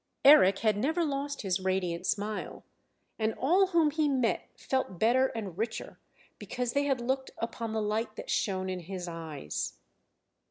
Eric had never lost his radiant smile; and all whom he met felt better and richer because they had looked upon the light that shone in his eyes.